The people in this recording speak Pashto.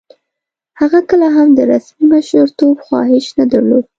هغه کله هم د رسمي مشرتوب خواهیش نه درلود.